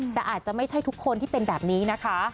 แต่อาจจะไม่ใช่ทุกคนที่เป็นแบบนี้นะคะ